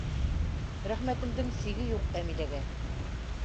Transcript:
Рәхмәтемдең сиге юҡ Әмиләгә.